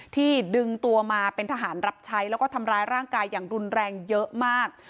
ที่ดึงตัวมาเป็นทหารรับใช้แล้วก็ทำร้ายร่างกายอย่างรุนแรงเยอะมาก